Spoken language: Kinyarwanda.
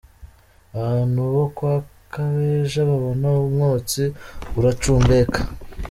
Abantu bo kwa Kabeja babona umwotsi uracumbeka.